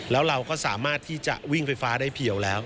แล้วเราก็สามารถที่จะวิ่งไฟฟ้าได้เพียวแล้ว